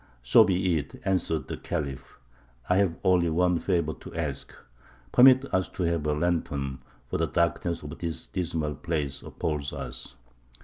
"So be it," answered the Khalif; "I have only one favour to ask: permit us to have a lantern, for the darkness of this dismal place appals us."